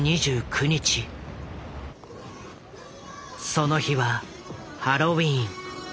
その日はハロウィーン。